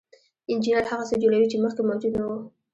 انجینر هغه څه جوړوي چې مخکې موجود نه وو.